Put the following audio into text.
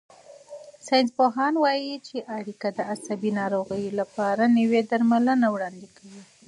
ساینسپوهان وايي چې دا اړیکه د عصبي ناروغیو لپاره نوي درملنې وړاندې کوي.